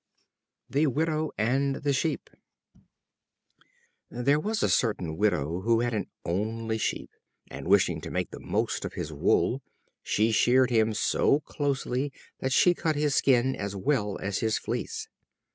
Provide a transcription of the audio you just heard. The Widow and the Sheep. There was a certain Widow who had an only Sheep, and, wishing to make the most of his wool, she sheared him so closely that she cut his skin as well as his fleece.